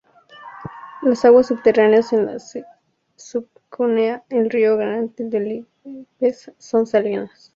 Las "aguas subterráneas" en la subcuenca del Río Grande de Lípez son salinas.